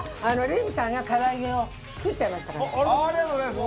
ありがとうございます！